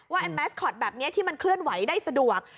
ไอ้แมสคอตแบบนี้ที่มันเคลื่อนไหวได้สะดวก